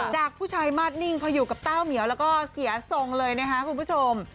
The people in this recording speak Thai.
จากผู้ชายมาสนิ่งพออยู่กับเต้าเหมียวแล้วก็เสียทรงเลยนะคะคุณผู้ชม